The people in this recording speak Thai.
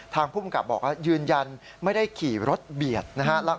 ภูมิกับบอกว่ายืนยันไม่ได้ขี่รถเบียดนะฮะ